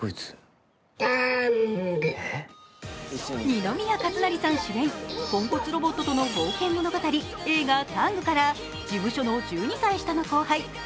二宮和也さん主演、ポンコツロボットとの冒険物語、映画「ＴＡＮＧタング」から事務所の１２歳下の後輩ＳｉｘＴＯＮＥＳ